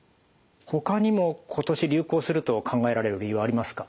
ほかにも今年流行すると考えられる理由はありますか？